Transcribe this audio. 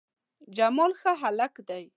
جمال ښه هلک ده